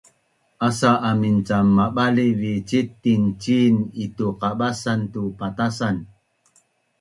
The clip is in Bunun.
Aca amin cam mabaliv vi citen cin itu qabacan tu patasan